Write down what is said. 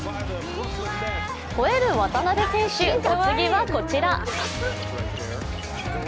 ほえる渡邊選手、お次はこちら。